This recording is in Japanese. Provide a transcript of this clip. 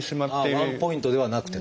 ワンポイントではなくて。